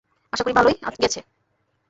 আশা করি ভালোই গেছে।